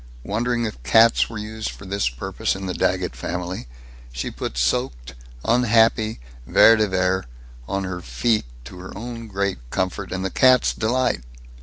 Wondering if cats were used for this purpose in the Daggett family, she put soaked, unhappy Vere de Vere on her feet, to her own great comfort and the cat's delight.